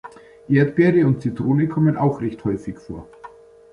Erdbeere und Zitrone kommen auch recht häufig vor.